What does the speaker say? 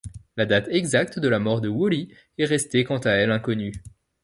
La date exacte de la mort de Wolley est restée, quant à elle, inconnue.